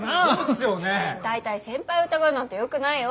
大体先輩を疑うなんてよくないよ。